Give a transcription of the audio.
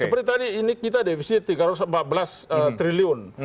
seperti tadi ini kita defisit rp tiga ratus empat belas triliun